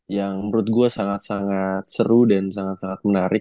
yang menurut gue sangat sangat seru dan sangat sangat menarik